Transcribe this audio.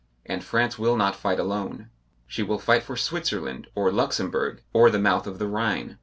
And France will not fight alone. She will fight for Switzerland or Luxembourg, or the mouth of the Rhine.